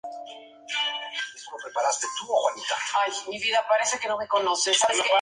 Se fija sobre sustratos blandos y rocosos.